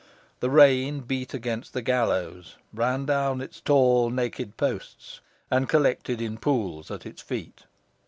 The rain beat against the gallows, ran down its tall naked posts, and collected in pools at its feet.